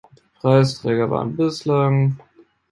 Preisträger waren bislang